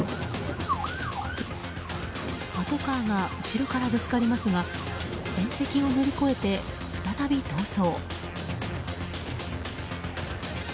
パトカーが後ろからぶつかりますが縁石を乗り越えて再び逃走。